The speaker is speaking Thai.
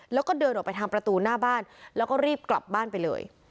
แล้วก็เดินออกไปทางประตูหน้าบ้านแล้วก็รีบกลับบ้านไปเลย